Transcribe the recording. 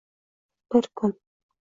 Bir kun